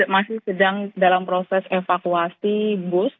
masih sedang dalam proses evakuasi bus